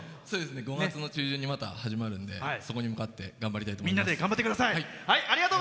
５月の中旬に、また始まるのでそこに向かって頑張りたいと思います。